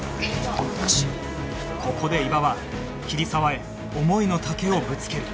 ここで伊庭は桐沢へ思いの丈をぶつける